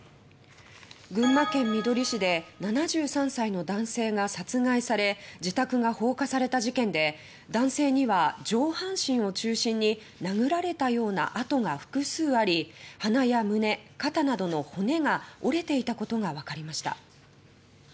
群馬県みどり市で７３歳の男性が殺害され自宅が放火された事件で男性には上半身を中心に殴られたような痕が複数あり鼻や胸、肩などの骨が折れていたことがわかりました。